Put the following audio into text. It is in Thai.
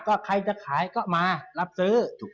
ก็ใครจะขายก็มารับซื้อ